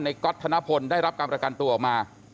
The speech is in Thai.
ก๊อตธนพลได้รับการประกันตัวออกมา